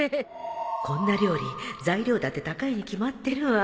こんな料理材料だって高いに決まってるわ